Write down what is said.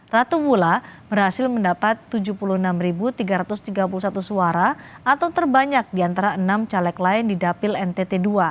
ratu mula berhasil mendapat tujuh puluh enam tiga ratus tiga puluh satu suara atau terbanyak di antara enam caleg lain di dapil ntt ii